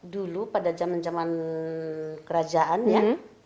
dulu pada zaman zaman kerajaan ya